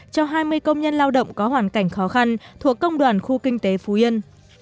cho hai mươi công nhân lao động có hoàn cảnh khó khăn thuộc công đoàn khu kinh tế phú yên